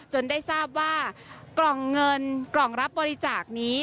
ได้ทราบว่ากล่องเงินกล่องรับบริจาคนี้